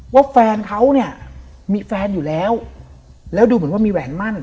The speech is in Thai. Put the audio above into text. ว่าแฟนเขาเนี่ยมีแฟนอยู่แล้วแล้วดูเหมือนว่ามีแหวนมั่น